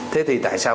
thế thì tại sao